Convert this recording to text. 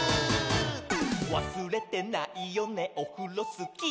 「わすれてないよねオフロスキー」